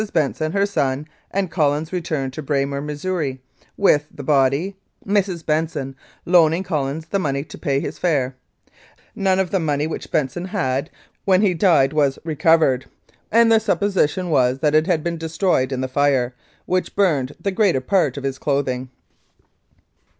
Benson, her son, and Collins returned to Braymer, Mo., with the body, Mrs. Benson loaning Collins the money to pay his fare. None of the money which Benson had when 251 Mounted Police Life in Canada he died was recovered, and the supposition was that it had been destroyed in the fire, which burned the greater part of his clothing.